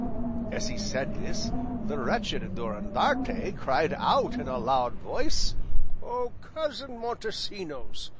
"As he said this, the wretched Durandarte cried out in a loud voice: O cousin Montesinos!